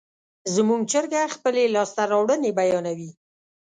زموږ چرګه خپلې لاسته راوړنې بیانوي.